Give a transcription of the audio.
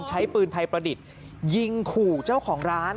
ใช้ปืนไทยประดิษฐ์ยิงขู่เจ้าของร้าน